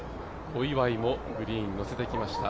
小祝もグリーンにのせてきました。